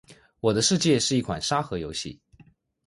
《我的世界》是一款沙盒游戏。